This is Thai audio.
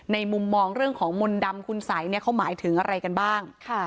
มุมมองเรื่องของมนต์ดำคุณสัยเขาหมายถึงอะไรกันบ้าง